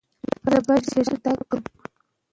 زده کوونکي باید یووالی ولري.